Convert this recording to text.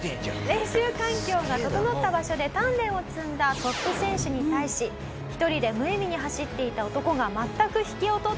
練習環境が整った場所で鍛錬を積んだトップ選手に対し１人で無意味に走っていた男が全く引けを取っていません。